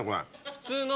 普通の。